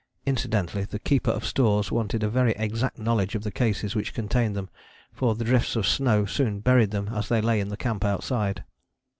Incidentally the keeper of stores wanted a very exact knowledge of the cases which contained them, for the drifts of snow soon buried them as they lay in the camp outside.